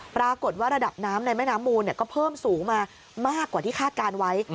ปรากฏว่าระดับน้ำในแม่น้ำมูลก็เพิ่มสูงมามากกว่าที่คาดการณ์ไว้